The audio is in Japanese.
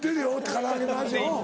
唐揚げの味うん。